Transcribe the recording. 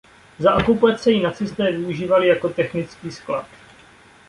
Za okupace ji nacisté využívali jako technický sklad.